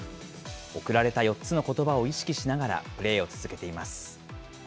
贈られた４つのことばを意識しながらプレーを続けています。